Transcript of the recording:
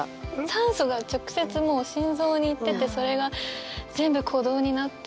酸素が直接もう心臓に行っててそれが全部鼓動になっててっていう。